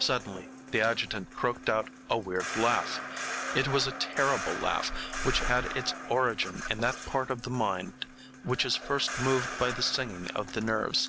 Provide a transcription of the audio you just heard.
Suddenly the adjutant croaked out a weird laugh. It was a terrible laugh, which had its origin in that part of the mind which is first moved by the singing of the nerves.